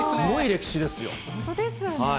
本当ですよね。